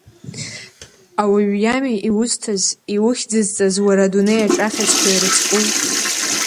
Ауаҩ иами иузҭаз, иухьӡызҵаз уара адунеиаҿ ахьыӡқәа ирыцкыу…